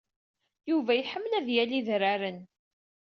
Yuba iḥemmel ad yaley idraren.